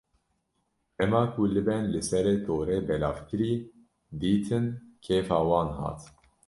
Dema ku libên li ser torê belavkirî, dîtin kêfa wan hat.